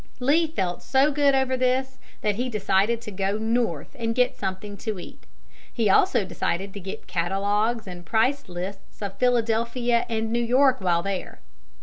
Lee felt so good over this that he decided to go North and get something to eat. He also decided to get catalogues and price lists of Philadelphia and New York while there.